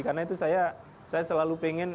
karena itu saya selalu ingin